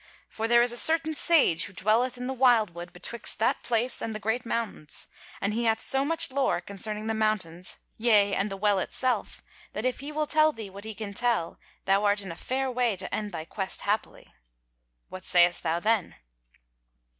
For there is a certain sage who dwelleth in the wildwood betwixt that place and the Great Mountains, and he hath so much lore concerning the Mountains, yea, and the Well itself, that if he will tell thee what he can tell, thou art in a fair way to end thy quest happily. What sayest thou then?"